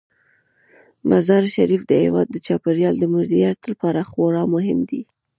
مزارشریف د هیواد د چاپیریال د مدیریت لپاره خورا مهم دی.